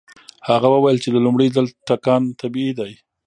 هغه وویل چې د لومړي ځل ټکان طبيعي دی.